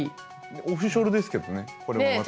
オフショルですけどねこれもまた。